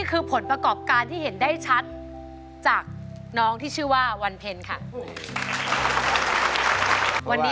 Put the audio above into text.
คือขอดเลวในดวงใจ